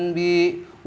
wa binatul janbi